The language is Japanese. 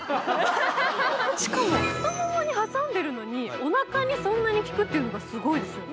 しかも太ももに挟んでるのにおなかにそんなに効くっていうのがすごいですね。